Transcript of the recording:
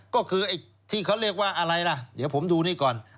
ก็คือไอ้ที่เขาเรียกว่าอะไรล่ะเดี๋ยวผมดูนี่ก่อน